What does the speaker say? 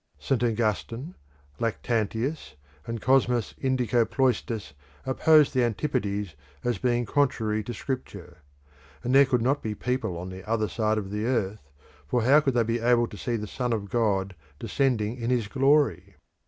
St. Augustine, Lactantius, and Cosmas Indicopleustes opposed the Antipodes as being contrary to Scripture; and there could not be people on the other side of the earth, for how would they be able to see the Son of God descending in his glory?